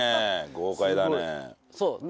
豪快だね。